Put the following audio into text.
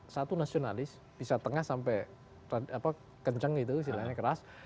satu nasionalis bisa tengah sampai kencang gitu silahannya keras